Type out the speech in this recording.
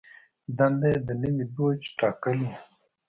دنده یې د نوي دوج ټاکل و.